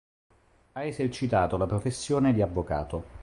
Ha esercitato la professione di avvocato.